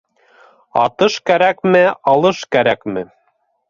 Атыш кәрәкме, алыш кәрәкме!